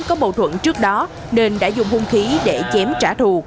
có bầu thuận trước đó nên đã dùng hung khí để chém trả thù